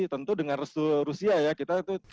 tentu dengan resul rusia ya